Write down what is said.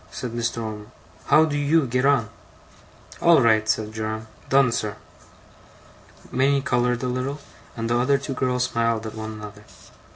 said Mr. Omer. 'How do you get on?' 'All right,' said Joram. 'Done, sir.' Minnie coloured a little, and the other two girls smiled at one another.